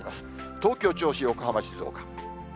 東京、銚子、横浜、静岡。